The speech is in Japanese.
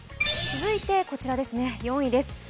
続いて４位です。